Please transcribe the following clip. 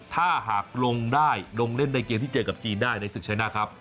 ถ้าหากลงได้ลงเล่นในเกมที่เจอกับจีนได้ในศึกชัยหน้าครับ